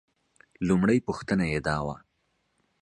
لومړۍ پوښتنه یې دا وه.